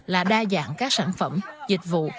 là đa dạng các sản phẩm dịch vụ